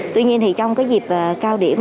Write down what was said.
tuy nhiên trong dịp cao điểm